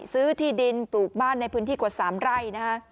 ซื้อที่ดินปลูกบ้านในพื้นที่กว่า๓ไร่นะฮะ